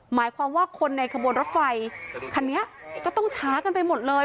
หมายความว่าคนในขบวนรถไฟคันนี้ก็ต้องช้ากันไปหมดเลย